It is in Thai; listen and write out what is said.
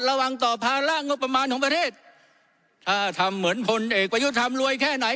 ระวังต่อภาระงบประมาณของประเทศถ้าทำเหมือนพลเอกประยุทธ์ทำรวยแค่ไหน